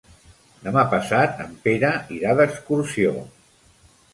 Demà passat en Pere irà d'excursió.